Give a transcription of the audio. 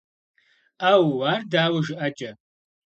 - Ӏэууу! Ар дауэ жыӀэкӀэ?